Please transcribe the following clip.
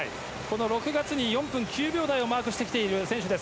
６月に４分９秒台をマークしてきている選手です。